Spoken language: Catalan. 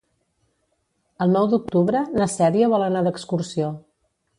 El nou d'octubre na Cèlia vol anar d'excursió.